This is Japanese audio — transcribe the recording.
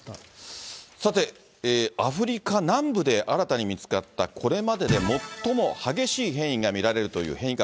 さて、アフリカ南部で新たに見つかった、これまでで最も激しい変異が見られるという変異株。